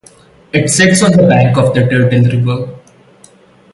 It sits on the banks of the Turtle River.